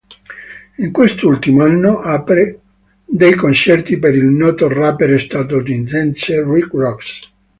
In quest'ultimo anno apre dei concerti per il noto rapper statunitense Rick Ross.